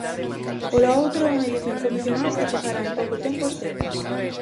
Pola outra unha edición convencional que chegará en pouco tempo ás tendas.